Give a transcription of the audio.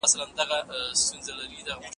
قلمي خط د زده کوونکي پر ذهن د علم رڼا اچوي.